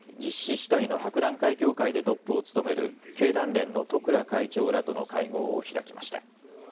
主体の博覧会協会でトップを務める経団連の十倉会長らとの会合を開きました。